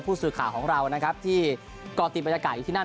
ผู้สื่อข่าวของเรานะครับที่ก่อติดบรรยากาศอยู่ที่นั่น